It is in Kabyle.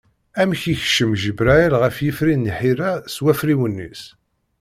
Amek yekcem Ǧebrayel ɣer yifri n Ḥira s wafriwen-is?